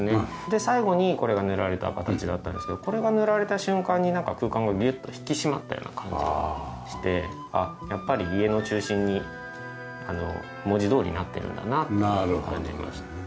で最後にこれが塗られた形だったんですけどこれが塗られた瞬間に空間がギュッと引き締まったような感じがしてやっぱり家の中心に文字どおりなってるんだなって感じましたね。